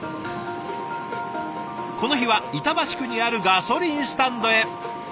この日は板橋区にあるガソリンスタンドへ。